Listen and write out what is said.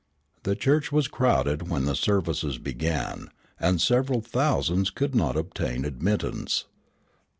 The church was crowded when the services began, and several thousands could not obtain admittance.